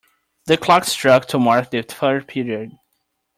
The clock struck to mark the third period.